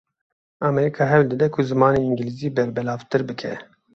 Amerîka hewl dide ku zimanê îngilîzî berbelavtir bike.